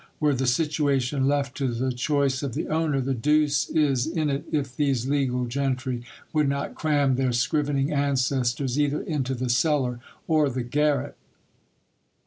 Were the situation left to the choice of the owner, the deuce is in it if these legal gentry would not cram their scrivening ancestors either into the cellar or the garret.